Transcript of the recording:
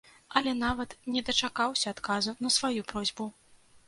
Але нават не дачакаўся адказу на сваю просьбу.